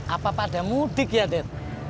apa pada mudik ya ded